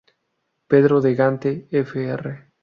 Pedro de Gante, Fr.